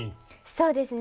そうですね